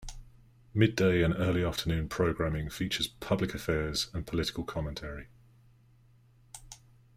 Midday and early afternoon programming features public affairs and political commentary.